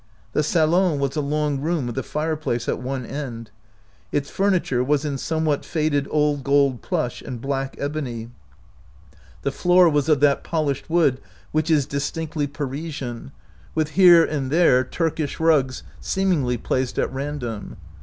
The salon was a long room with a fireplace at one end. Its furniture was in somewhat faded old gold plush and black ebony. The floor was of that polished wood which is distinctly Parisian, with here 54 OUT OF BOHEMIA and there Turkish rugs seemingly placed at random.